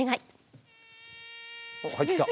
おっ入ってきた！